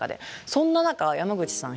そんな中山口さん